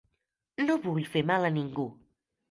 No vull fer mal a ningú.